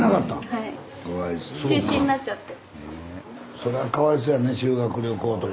そらかわいそうやね修学旅行とか。